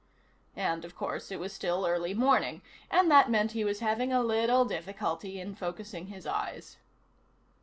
And, of course, it was still early morning, and that meant he was having a little difficulty in focusing his eyes.